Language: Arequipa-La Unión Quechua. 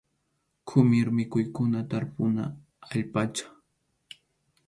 Qʼumir mikhuykuna tarpuna allpacha.